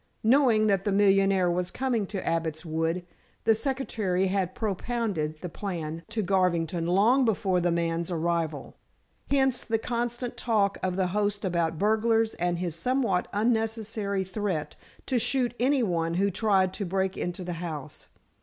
Knowing that the millionaire was coming to Abbot's Wood, the secretary had propounded the plan to Garvington long before the man's arrival. Hence the constant talk of the host about burglars and his somewhat unnecessary threat to shoot any one who tried to break into the house.